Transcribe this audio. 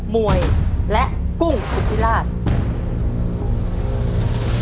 มวยและกุ้งสุธิราช